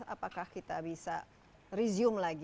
apakah kita bisa resume lagi